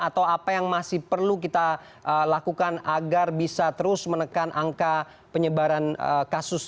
atau apa yang masih perlu kita lakukan agar bisa terus menekan angka penyebaran kasus